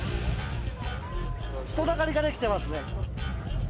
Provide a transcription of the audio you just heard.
人だかりが出来てますね。